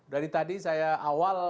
dari tadi saya awal